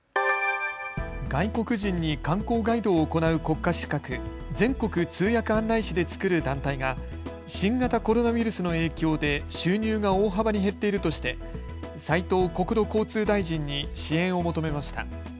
外国人に観光ガイドを行う国家資格、全国通訳案内士で作る団体が新型コロナウイルスの影響で収入が大幅に減っているとして斉藤国土交通大臣に支援を求めました。